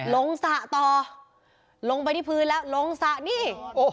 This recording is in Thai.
ลงสระต่อลงไปที่พื้นแล้วลงสระนี่